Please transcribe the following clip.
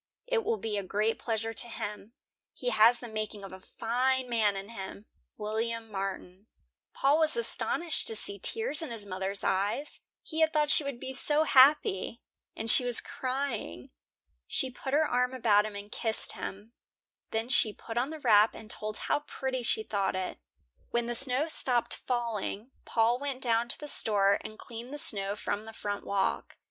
It will be a great pleasure to him. He has the making of a fine man in him. WILLIAM MARTIN." Paul was astonished to see tears in his mothers eyes; he had thought she would be so happy, and she was crying. She put her arm about him and kissed him. Then she put on the wrap and told how pretty she thought it. When the snow stopped falling, Paul went down to the store and cleaned the snow from the front walk.